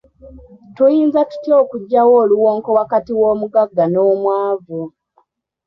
Tuyinza tutya okugyawo oluwonko wakati w'omuggaga n'omwavu?